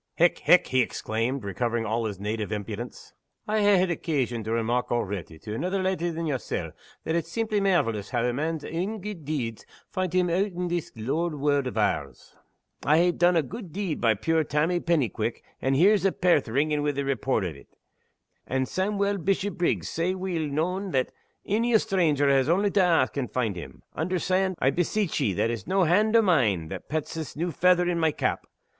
"Hech! hech!" he exclaimed, recovering all his native impudence, "I hae had occasion to remark already, to anither leddy than yersel', that it's seemply mairvelous hoo a man's ain gude deeds find him oot in this lower warld o' ours. I hae dune a gude deed by pure Tammy Pennyquick, and here's a' Pairth ringing wi the report o' it; and Sawmuel Bishopriggs sae weel known that ony stranger has only to ask, and find him. Understand, I beseech ye, that it's no hand o' mine that pets this new feather in my cap.